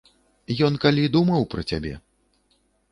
Ён калі думаў пра цябе?